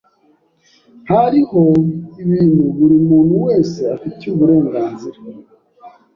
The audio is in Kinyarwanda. Hariho ibintu buri muntu wese afitiye uburenganzira.